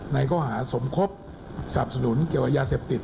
ในข้อหาฐานสมครบสนับสนุนเกี่ยวอายาทเสพติบ